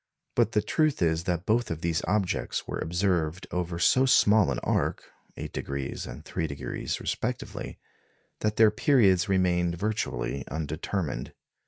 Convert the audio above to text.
But the truth is that both these objects were observed over so small an arc 8° and 3° respectively that their periods remained virtually undetermined.